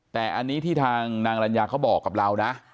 แต่อันนี้ที่ทางนางรัญญาเขาบอกกับเรานะ